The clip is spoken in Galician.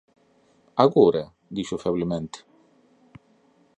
“Agora?”, dixo feblemente.